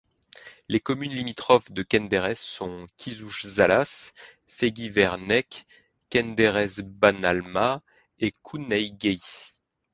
Les communes limitrophes de Kenderes sont Kisújszállás , Fegyvernek , Kenderes-Bánhalma et Kunhegyes.